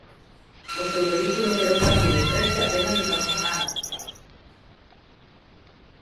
O seu vehículo quedou partido en tres e apenas lle pasou nada.